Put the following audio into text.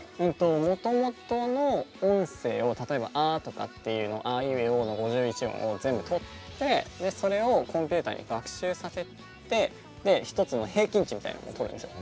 もともとの音声を例えば「あ」とかっていうのをあいうえおの５１音を全部とってそれをコンピューターに学習させてで一つの平均値みたいなのを取るんですよ。